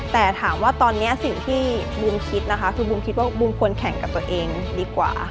แต่ถามว่าตอนนี้สิ่งที่บูมคิดนะคะคือบูมคิดว่าบูมควรแข่งกับตัวเองดีกว่า